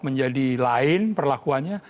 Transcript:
menjadi lain perlakuannya